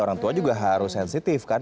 orang tua juga harus sensitif kan